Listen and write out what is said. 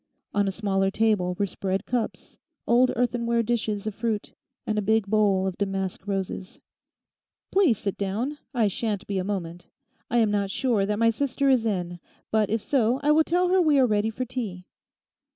On a smaller table were spread cups, old earthenware dishes of fruit, and a big bowl of damask roses. 'Please sit down; I shan't be a moment; I am not sure that my sister is in; but if so, I will tell her we are ready for tea.